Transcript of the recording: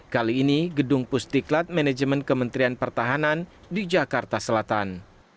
kali ini gedung pustiklat manajemen kementerian pertahanan di jakarta selatan